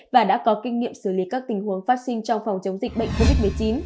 và đã có kinh nghiệm xử lý các tình huống phát sinh trong phòng chống dịch bệnh covid một mươi chín